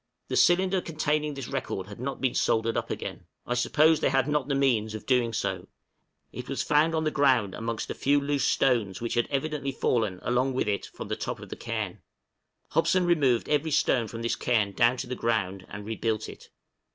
The cylinder containing this record had not been soldered up again; I suppose they had not the means of doing so; it was found on the ground amongst a few loose stones which had evidently fallen along with it from the top of the cairn. Hobson removed every stone of this cairn down to the ground and rebuilt it.